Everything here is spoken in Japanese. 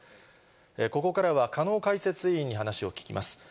ここからは加納解説委員に話を聞きます。